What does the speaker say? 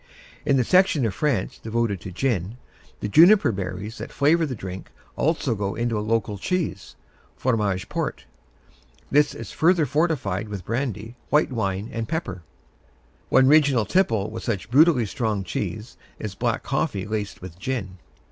In the section of France devoted to gin, the juniper berries that flavor the drink also go into a local cheese, Fromage Fort. This is further fortified with brandy, white wine and pepper. One regional tipple with such brutally strong cheese is black coffee laced with gin.